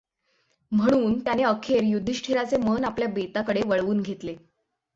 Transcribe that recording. म्हणून त्याने अखेर युधिष्ठिराचे मन आपल्या बेताकडे वळवून घेतले.